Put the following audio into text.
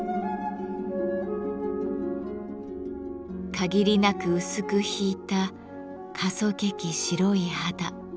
限りなく薄くひいたかそけき白い肌。